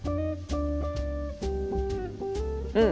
うん！